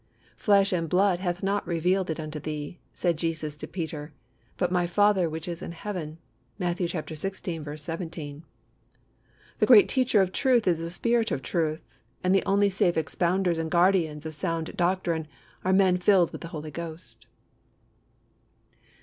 "Flesh and blood hath not revealed it unto thee," said Jesus to Peter, "but My Father which is in Heaven" (Matthew xvi. 17). The great teacher of truth is the Spirit of Truth, and the only safe expounders and guardians of sound doctrine are men filled with the Holy Ghost.